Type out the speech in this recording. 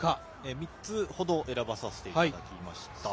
３つほど選ばさせていただきました。